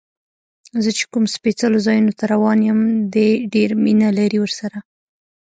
زه چې کوم سپېڅلو ځایونو ته روان یم، دې ډېر مینه لري ورسره.